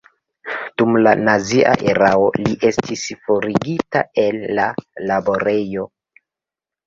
Dum la nazia erao li estis forigita el la laborejo.